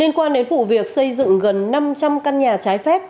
liên quan đến vụ việc xây dựng gần năm trăm linh căn nhà trái phép